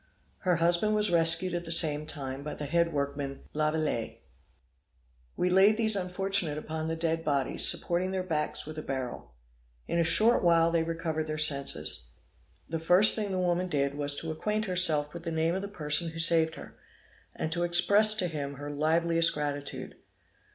Her husband was rescued at the same time by the head workman, Lavilette. We laid these unfortunates upon the dead bodies, supporting their backs with a barrel. In a short while they recovered their senses. The first thing the woman did was to acquaint herself with the name of the person who saved her, and to express to him her liveliest gratitude.